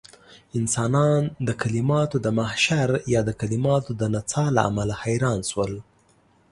انسانان د کليماتو د محشر يا د کليماتو د نڅاه له امله حيران شول.